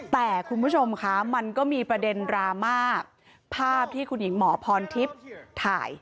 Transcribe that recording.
แต่คุณผู้ชมคะมันก็มีประเด็นดราม่าภาพที่คุณหญิงหมอพรทิพย์ถ่าย